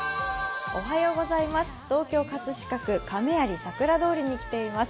東京・葛飾区亀有さくら通りに来ています。